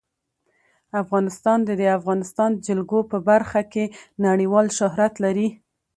افغانستان د د افغانستان جلکو په برخه کې نړیوال شهرت لري.